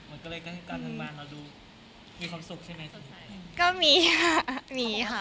มันก็เลยก็คือการทำงานเราดูมีความสุขใช่ไหมก็มีค่ะมีค่ะ